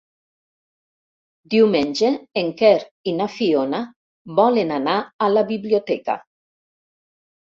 Diumenge en Quer i na Fiona volen anar a la biblioteca.